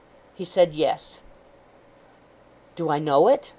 He said, 'Yes.' 'Do I know it?